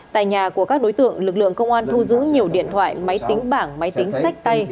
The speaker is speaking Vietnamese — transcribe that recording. tại nhà của các đối tượng lực lượng công an thu giữ nhiều điện thoại máy tính bảng máy tính sách tay